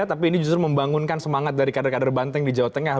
tapi ini justru membangunkan semangat dari kader kader banteng di jawa tengah